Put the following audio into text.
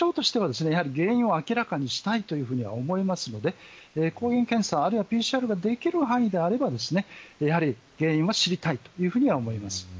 ただ感染症としては原因を明らかにしたいとは思いますので抗原検査あるいはＰＣＲができる範囲であればやはり原因を知りたいとは思います。